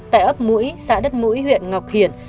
tại ấp mũi xã đất mũi huyện ngọc hiển